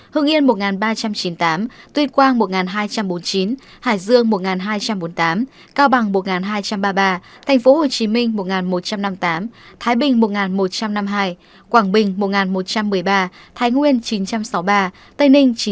hưng yên một ba trăm chín mươi tám tuyên quang một nghìn hai trăm bốn mươi chín hải dương một hai trăm bốn mươi tám cao bằng một hai trăm ba mươi ba tp hcm một một trăm năm mươi tám thái bình một một trăm năm mươi hai quảng bình một một trăm một mươi ba thái nguyên chín trăm sáu mươi ba tây ninh chín trăm bảy mươi